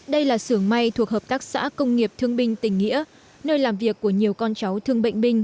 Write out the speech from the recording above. đây là sưởng may thuộc hợp tác xã công nghiệp thương binh tỉnh nghĩa nơi làm việc của nhiều con cháu thương bệnh binh